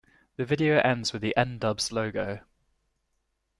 The video ends with the N-Dubz logo.